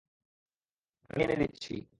আমি এনে দিচ্ছি।